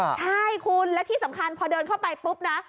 ใช่คุณและที่สำคัญพอเดินเข้าไปปุ๊บนะ